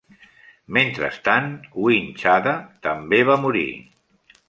Mentrestant Win Chadha també va morir.